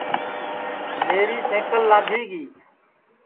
میری سینٚکل لادھی گی